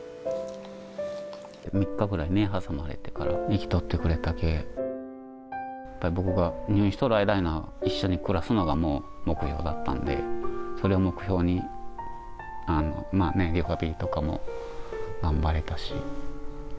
３日ぐらいね、挟まれてから生きとってくれたけえ、やっぱり僕が入院しとる間というのは、一緒に暮らすのがもう、目標だったんで、それを目標に、リハビリとかも頑張れたし。